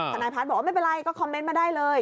ทนายพัฒน์บอกว่าไม่เป็นไรก็คอมเมนต์มาได้เลย